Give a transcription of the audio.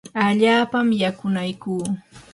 allaapam yakunaykuu.